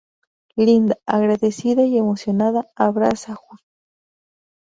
Linda, agradecida y emocionada, abraza a Gus.